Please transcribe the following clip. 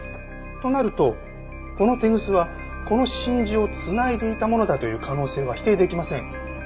となるとこのテグスはこの真珠を繋いでいたものだという可能性は否定できません。